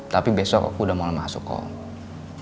tapi besok aku udah mau masuk kau